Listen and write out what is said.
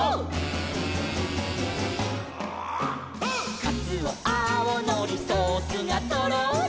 「かつおあおのりソースがとろり」